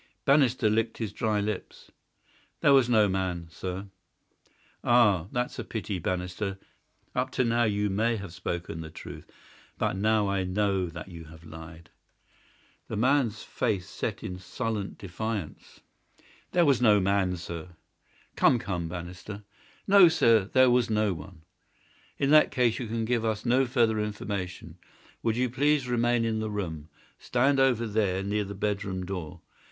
Bannister licked his dry lips. "There was no man, sir." "Ah, that's a pity, Bannister. Up to now you may have spoken the truth, but now I know that you have lied." The man's face set in sullen defiance. "There was no man, sir." "Come, come, Bannister!" "No, sir; there was no one." "In that case you can give us no further information. Would you please remain in the room? Stand over there near the bedroom door.